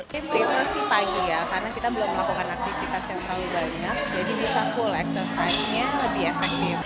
saya prefer sih pagi ya karena kita belum melakukan aktivitas yang terlalu banyak jadi bisa full exercise nya lebih efektif